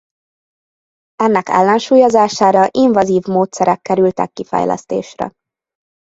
Ennek ellensúlyozására invazív módszerek kerültek kifejlesztésre.